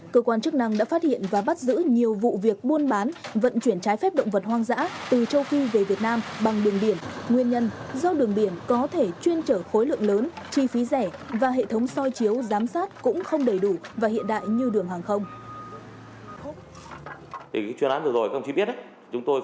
cơ quan chức năng đã phát hiện và bắt giữ nhiều vụ việc buôn bán chi phí rẻ và hệ thống soi chiếu giám sát cũng không đầy đủ và hiện đại như đường hàng không